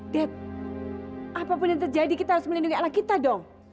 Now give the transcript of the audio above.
debt apapun yang terjadi kita harus melindungi ala kita dong